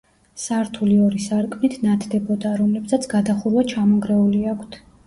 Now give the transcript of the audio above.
სართული ორი სარკმლით ნათდებოდა, რომლებსაც გადახურვა ჩამონგრეული აქვთ.